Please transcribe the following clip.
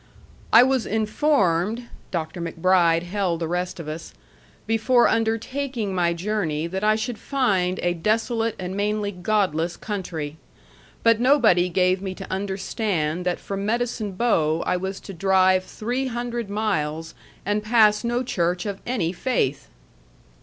"I was informed," Dr. MacBride held the rest of us, "before undertaking my journey that I should find a desolate and mainly godless country. But nobody gave me to understand that from Medicine Bow I was to drive three hundred miles and pass no church of any faith."